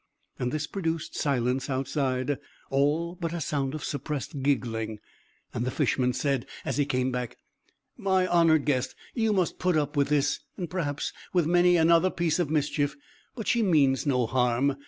This produced silence outside, all but a sound of suppressed giggling, and the Fisherman said as he came back; "My honoured guest, you must put up with this, and perhaps with many another piece of mischief; but she means no harm.